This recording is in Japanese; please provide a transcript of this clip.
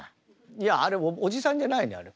いやあれおじさんじゃないねあれ。